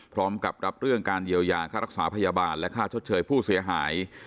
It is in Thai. พร้อมกับรับเรื่องการเยียวยาค่ารักษาพยาบาลและค่าชดเชยผู้เสียหาย